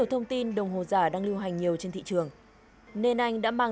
nhóm phóng viên đã ghi hình kín tại một số cửa hàng